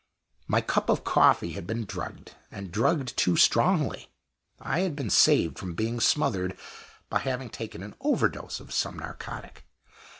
My cup of coffee had been drugged, and drugged too strongly. I had been saved from being smothered by having taken an overdose of some narcotic.